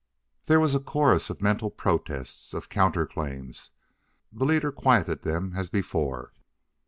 There was a chorus of mental protests; of counter claims. The leader quieted them as before.